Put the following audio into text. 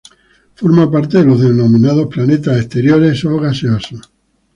Forma parte de los denominados planetas exteriores o gaseosos.